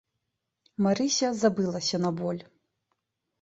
Марыся забылася на боль.